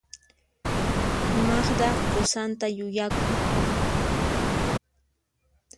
Magda qusanta yuyakun.